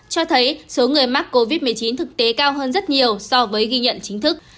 cho thấy số người mắc covid một mươi chín thực tế cao hơn rất nhiều so với ghi nhận chính thức